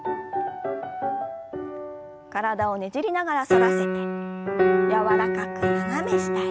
体をねじりながら反らせて柔らかく斜め下へ。